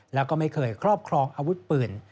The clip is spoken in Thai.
แล้วก็ไม่เคยครอบครองอาวุธปืน